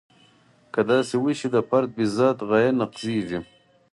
که داسې وشي د فرد بالذات غایه نقضیږي.